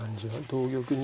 同玉に。